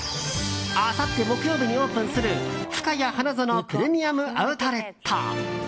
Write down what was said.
あさって木曜日にオープンするふかや花園プレミアム・アウトレット。